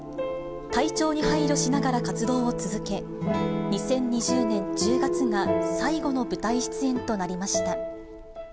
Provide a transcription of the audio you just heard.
体調に配慮しながら活動を続け、２０２０年１０月が最後の舞台出演となりました。